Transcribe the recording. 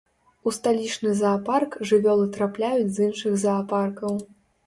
У сталічны заапарк жывёлы трапляюць з іншых заапаркаў.